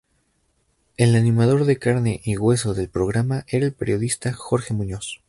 El animador de carne y hueso del programa era el periodista Jorge Muñoz.